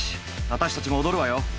私たちも踊るわよ！